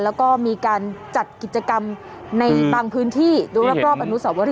แล้วก็มีการจัดกิจกรรมในบางพื้นที่ดูรอบอนุสาวรี